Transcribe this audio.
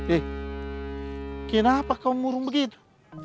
eh kenapa kau murung begitu